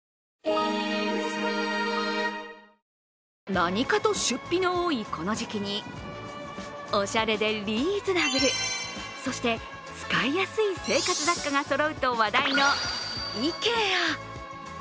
何かと出費の多いこの時期におしゃれでリーズナブルそして使いやすい生活雑貨がそろうと話題のＩＫＥＡ。